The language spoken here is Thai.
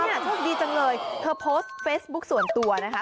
โชคดีจังเลยเธอโพสต์เฟซบุ๊คส่วนตัวนะคะ